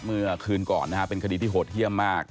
เมื่อคืนก่อนนะฮะเป็นคดีที่โหดเยี่ยมมาก